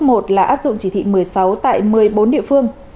một là áp dụng chỉ thị một mươi sáu tại một mươi bốn địa phương